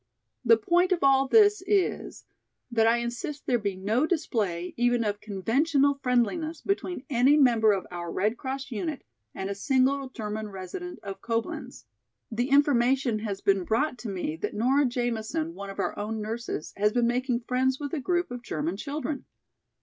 "The point of all this is that I insist there be no display even of conventional friendliness between any member of our Red Cross unit and a single German resident of Coblenz. The information has been brought to me that Nora Jamison, one of our own nurses, has been making friends with a group of German children.